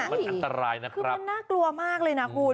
มันอันตรายนะครับมันน่ากลัวมากเลยนะคุณ